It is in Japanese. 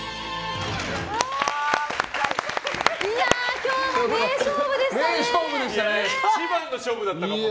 今日も名勝負でしたね！